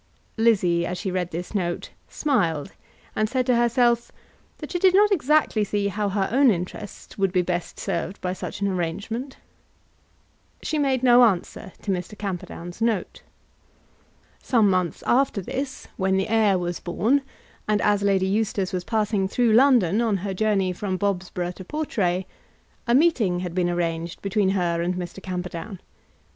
Lizzie as she read this note smiled, and said to herself that she did not exactly see how her own interests would be best served by such an arrangement. She made no answer to Mr. Camperdown's note. Some months after this, when the heir was born, and as Lady Eustace was passing through London on her journey from Bobsborough to Portray, a meeting had been arranged between her and Mr. Camperdown.